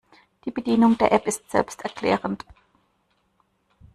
Die Bedienung der App ist selbsterklärend.